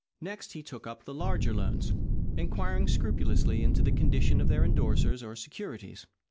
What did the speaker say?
Next, he took up the larger loans, inquiring scrupulously into the condition of their endorsers or securities.